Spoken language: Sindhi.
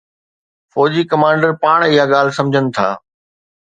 فوجي ڪمانڊر پاڻ اها ڳالهه سمجهن ٿا.